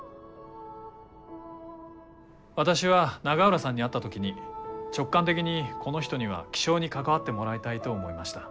私は永浦さんに会った時に直感的にこの人には気象に関わってもらいたいと思いました。